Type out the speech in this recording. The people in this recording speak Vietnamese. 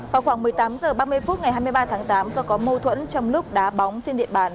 vào khoảng một mươi tám h ba mươi phút ngày hai mươi ba tháng tám do có mâu thuẫn trong lúc đá bóng trên địa bàn